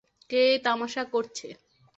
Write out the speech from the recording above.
কে এই তামাশা করছে!